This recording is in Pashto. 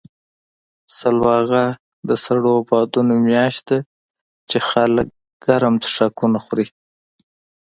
سلواغه د سړو بادونو میاشت ده، چې خلک ګرم څښاکونه خوري.